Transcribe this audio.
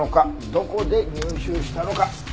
どこで入手したのか？